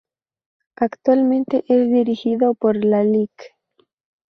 Actualmente es dirigido por la Lic.